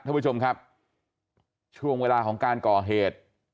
ท่านผู้ชมครับช่วงเวลาของการก่อเหตุ